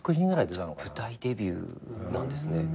じゃあ舞台デビューなんですね。